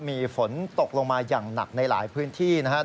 มีฝนตกลงมาอย่างหนักในหลายพื้นที่นะครับ